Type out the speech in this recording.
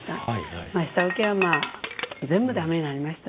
下請けはまあ全部駄目になりました。